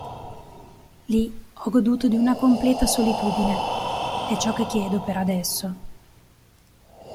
Lì ho goduto di una completa solitudine, è ciò che chiedo per adesso"“.